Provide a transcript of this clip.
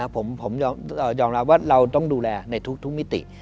ผมยอมรับว่าเราต้องดูแลในทุกมิติ